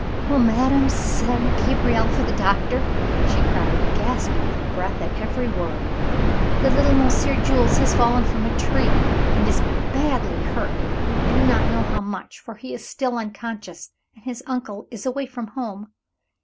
"Will madame send Gabriel for the doctor?" she cried, gasping for breath at every word. "The little Monsieur Jules has fallen from a tree and is badly hurt. We do not know how much, for he is still unconscious and his uncle is away from home.